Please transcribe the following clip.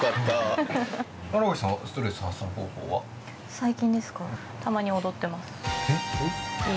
最近ですか？